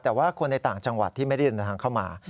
แต่ว่าคนในต่างจังหวัดที่ไม่ได้เดินทางเข้ามา